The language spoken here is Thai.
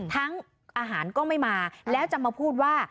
อาหารก็ไม่มาแล้วจะมาพูดว่า